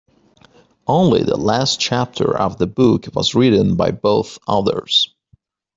Only the last chapter of the book was written by both authors.